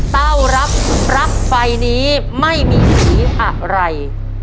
เต้ารับปลั๊กไฟนี้ไม่มีสีอะไร